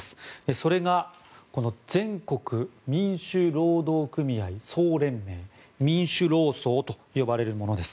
それがこの全国民主労働組合総連盟民主労総と呼ばれるものです。